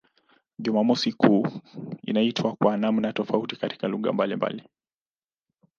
Jumamosi kuu inaitwa kwa namna tofauti katika lugha mbalimbali.